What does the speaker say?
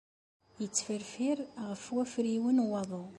Ittferfir ɣef wafriwen n waḍu.